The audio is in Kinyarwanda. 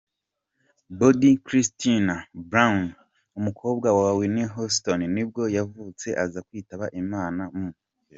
Bobby Kristina Brown, umukobwa wa Whitney Houston nibwo yavutse aza kwitaba Imana mu .